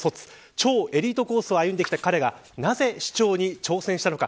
超エリートコースを歩んできた彼が、なぜ市長に挑戦したのか。